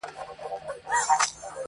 حکم د حدیث قرآن ګوره چي لا څه کیږي!٫.